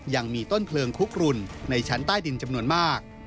ยังมีต้นเพลิงคุกกรุนในชั้นใต้ดินจำนวนมาก